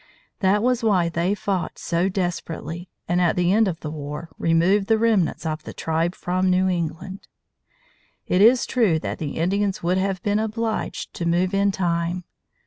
That was why they fought so desperately, and at the end of the war removed the remnants of the tribe from New England. It is true that the Indians would have been obliged to move in time.